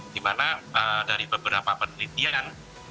di mana dari beberapa penelitian